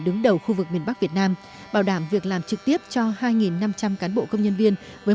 đứng đầu khu vực miền bắc việt nam bảo đảm việc làm trực tiếp cho hai năm trăm linh cán bộ công nhân viên với